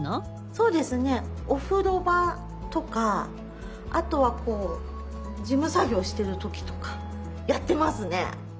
そうですねお風呂場とかあとはこう事務作業をしてる時とかやってますね。